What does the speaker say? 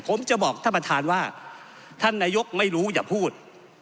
ผมจะบอกท่านประธานว่าท่านนายกไม่รู้อย่าพูด